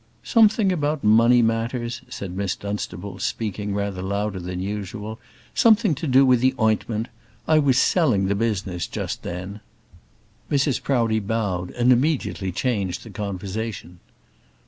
"Something about money matters," said Miss Dunstable, speaking rather louder than usual. "Something to do with the ointment. I was selling the business just then." Mrs Proudie bowed, and immediately changed the conversation.